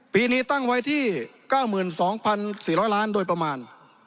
ปีนี้ตั้งไว้ที่๙๒๔๐๐ล้านโดยประมาณ